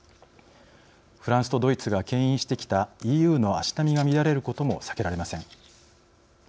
フランスとドイツがけん引してきたＥＵの足並みが乱れることも避けられません。